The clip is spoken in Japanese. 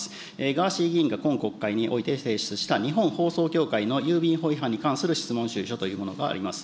ガーシー議員が今国会において提出した日本放送協会の郵便法違反に関する質問主意書というものがあります。